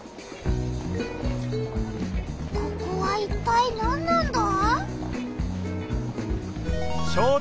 ここはいったいなんなんだ？